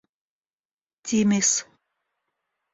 timis